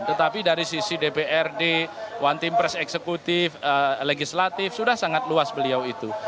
tetapi dari sisi dprd one team press eksekutif legislatif sudah sangat luas beliau itu